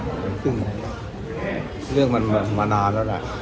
เรื่องเหมือนมานานที่ด้วย